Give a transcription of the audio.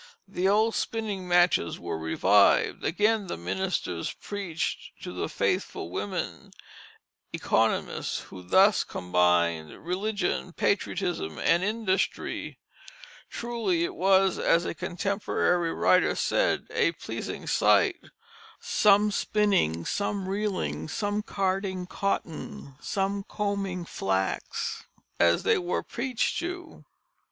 The old spinning matches were revived. Again the ministers preached to the faithful women "Oeconomists," who thus combined religion, patriotism, and industry. Truly it was, as a contemporary writer said, "a pleasing Sight: some spinning, some reeling, some carding cotton, some combing flax," as they were preached to.